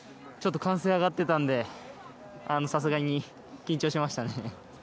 ちょっと歓声が上がってたんでさすがに緊張しましたね。